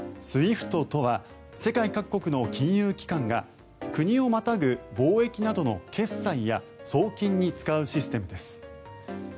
ＳＷＩＦＴとは世界各国の金融機関が国をまたぐ貿易などの決済や送金に使うシステムです。